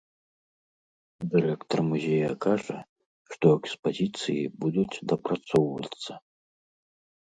Дырэктар музея кажа, што экспазіцыі будуць дапрацоўвацца.